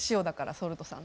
ソルトさん？